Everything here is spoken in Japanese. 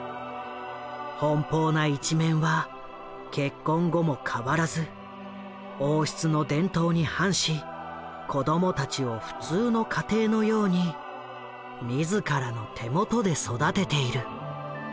奔放な一面は結婚後も変わらず王室の伝統に反し子どもたちを普通の家庭のように自らの手元で育てている。